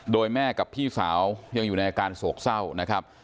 โดยแม่กับพี่สาวยังอยู่ในอาการโศกเศร้านะครับ